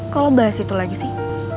kok lo bahas itu lagi sih